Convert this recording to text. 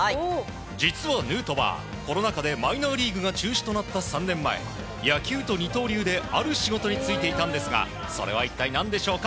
実はヌートバー、コロナ禍でマイナーリーグが中止となった３年前野球と二刀流である仕事に就いていたんですがそれは一体何でしょうか？